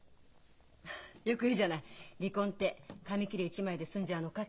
よく言うじゃない「離婚って紙切れ一枚で済んじゃうのか」